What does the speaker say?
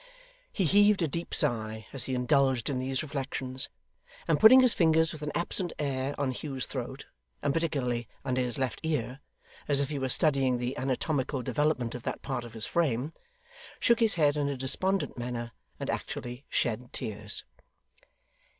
He heaved a deep sigh as he indulged in these reflections, and putting his fingers with an absent air on Hugh's throat, and particularly under his left ear, as if he were studying the anatomical development of that part of his frame, shook his head in a despondent manner and actually shed tears.